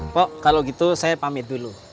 pok kalau gitu saya pamit dulu